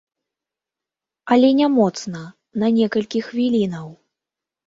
Але не моцна, на некалькі хвілінаў.